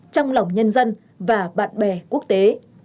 trong lòng nhân dân và bạn bè quốc tế